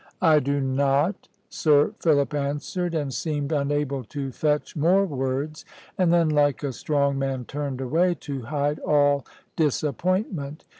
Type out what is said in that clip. "I do not," Sir Philip answered, and seemed unable to fetch more words; and then like a strong man turned away, to hide all disappointment.